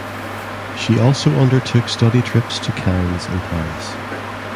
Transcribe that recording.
She also undertook study trips to Cannes and Paris.